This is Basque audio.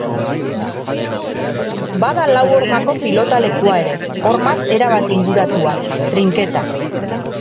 Bada lau hormako pilotalekua ere, hormaz erabat inguratua: trinketa.